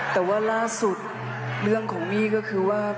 แต่ว่าล่าสุดเรื่องของมี่ก็คือว่า